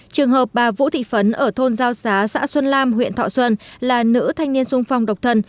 trường hợp bà vũ thị phấn ở thôn giao xá xã xuân lam huyện thọ xuân là nữ thanh niên sung phong độc thân